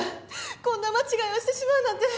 こんな間違いをしてしまうなんて。